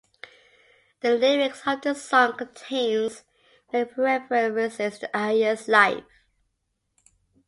The lyrics of this song contains many references to Ayers' life.